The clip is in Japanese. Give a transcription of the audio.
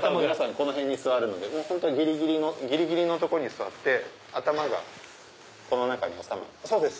この辺に座るのでギリギリのとこに座って頭がこの中に収まるそうです。